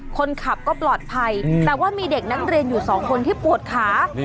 คนขับก็ปลอดภัยแต่ว่ามีเด็กนักเรียนอยู่สองคนที่ปวดขา